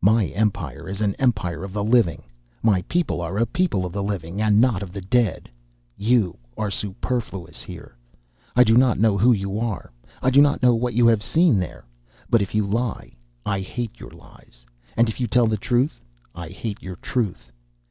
"My empire is an empire of the living; my people are a people of the living and not of the dead. You are superfluous here. I do not know who you are, I do not know what you have seen There, but if you lie, I hate your lies, and if you tell the truth, I hate your truth.